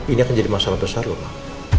ini akan jadi masalah besar loh pak